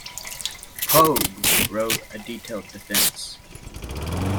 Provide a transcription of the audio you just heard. Pogge wrote a detailed defense.